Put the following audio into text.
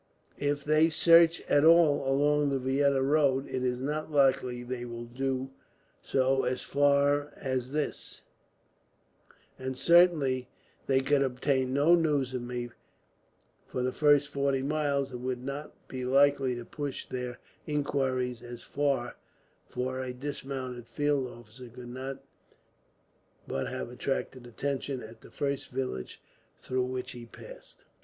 If they search at all along the Vienna road, it is not likely that they will do so as far as this; and certainly they could obtain no news of me, for the first forty miles, and would not be likely to push their inquiries as far, for a dismounted field officer could not but have attracted attention, at the first village through which he passed."